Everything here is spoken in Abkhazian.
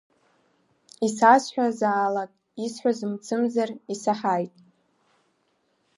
Исазҳәазаалак, исҳәаз мцымзар, исаҳаит!